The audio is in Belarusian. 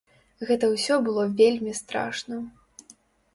Гэта ўсё было вельмі страшна.